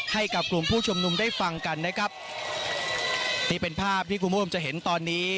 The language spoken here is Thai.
ให้กับกลุ่มผู้ชุมนุมได้ฟังกันนะครับนี่เป็นภาพที่คุณผู้ชมจะเห็นตอนนี้